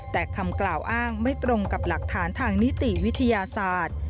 แต่คำกล่าวอ้างไม่ตรงกับหลักฐานทางนิติวิทยาศาสตร์